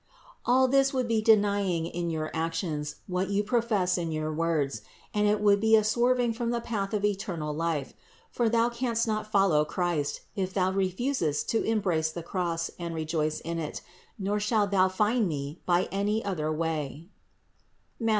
604. All this would be denying in your actions, what you profess in your words, and it would be a swerving from the path of eternal life : for thou canst not follow Christ, if thou refusest to embrace the cross and re joice in it, nor shalt thou find me by any other way (Matth.